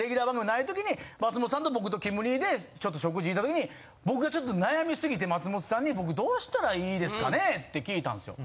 ない時に松本さんと僕とキム兄でちょっと食事行った時に僕がちょっと悩みすぎて松本さんに「僕どうしたらいいですかね」って聞いたんですよ。